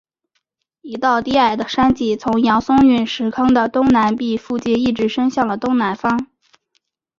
一道低矮的山脊从扬松陨石坑的东南壁附近一直伸向了东南方。